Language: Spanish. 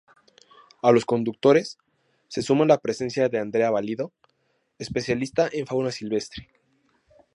A los conductores, se suma la presencia de Andrea Valido, especialista en fauna silvestre.